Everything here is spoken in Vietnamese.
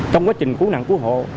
trong quá trình cứu nạn cứu hộ